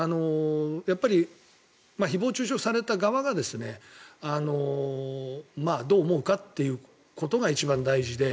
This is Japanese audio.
やっぱり誹謗・中傷された側がどう思うかっていうことが一番大事で。